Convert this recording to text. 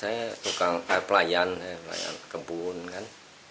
yang itulah kan niat kita kan